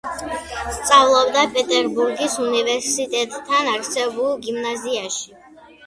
სწავლობდა პეტერბურგის უნივერსიტეტთან არსებულ გიმნაზიაში.